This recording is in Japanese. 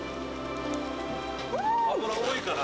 脂多いかな。